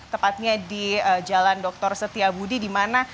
tepatnya di jalan dr setia budi dimana